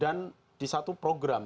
dan di satu program